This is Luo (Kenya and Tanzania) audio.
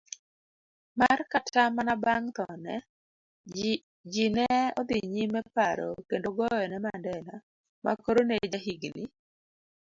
mar Kata manabang' thone, jine odhi nyimeparo kendo goyone Mandela, makoro nejahigini